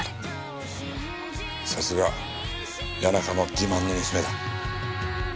さすが谷中の自慢の娘だ。